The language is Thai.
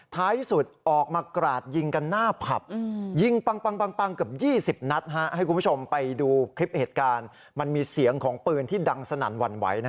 ท้ายที่สุดออกมากราดยิงกันหน้าผับยิงปังเกือบ๒๐นัดให้คุณผู้ชมไปดูคลิปเหตุการณ์มันมีเสียงของปืนที่ดังสนั่นหวั่นไหว